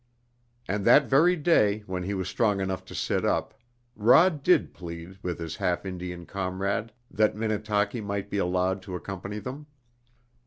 And that very day, when he was strong enough to sit up, Rod did plead with his half Indian comrade that Minnetaki might be allowed to accompany them.